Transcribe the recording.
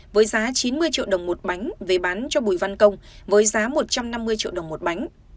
với giá chín mươi triệu đồng một bánh về bán cho bùi văn công với giá một trăm năm mươi triệu đồng một bánh